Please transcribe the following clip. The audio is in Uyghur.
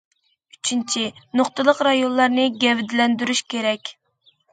ئۈچىنچى، نۇقتىلىق رايونلارنى گەۋدىلەندۈرۈش كېرەك.